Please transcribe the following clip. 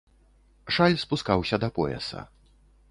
Шаль спускаўся да пояса.